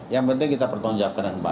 yang penting kita pertunjukan yang baik